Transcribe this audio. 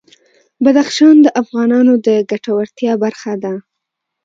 بدخشان د افغانانو د ګټورتیا برخه ده.